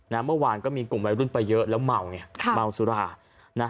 เมื่อวานก็มีกลุ่มวัยรุ่นไปเยอะแล้วเมาไงเมาสุรานะ